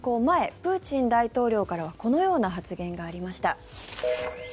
前プーチン大統領からはこのような発言がありました。